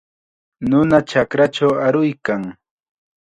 Nuna chakrachaw aruykan.